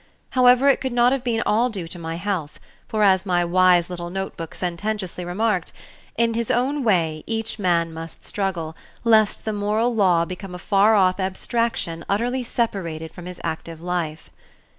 However, it could not have been all due to my health, for as my wise little notebook sententiously remarked, "In his own way each man must struggle, lest the moral law become a far off abstraction utterly separated from his active life."